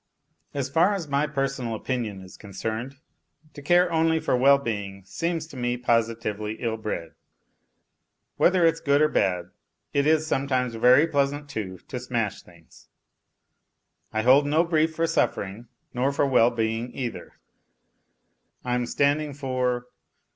As far as my personal opinion is concerned, to care only for well being seems to me positively ill bred. Whether it's good or bad, it is sometimes very pleasant, too, to smash things. I hold no brief for suffering nor for well being either. I am standing for